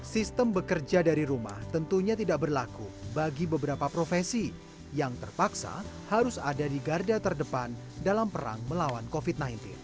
sistem bekerja dari rumah tentunya tidak berlaku bagi beberapa profesi yang terpaksa harus ada di garda terdepan dalam perang melawan covid sembilan belas